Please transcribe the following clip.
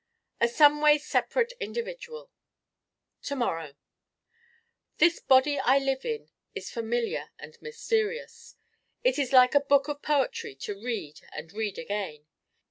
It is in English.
A someway separate individual To morrow This Body I live in is familiar and mysterious. It is like a book of poetry to read and read again.